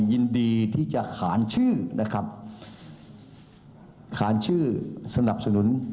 ยินดีที่จะขานชื่อนะครับขานชื่อสนับสนุน